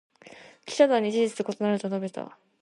記者団に「事実と異なる」と述べた。